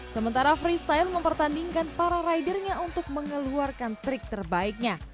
sementara freestyle mempertandingkan para ridernya untuk mengeluarkan trik terbaiknya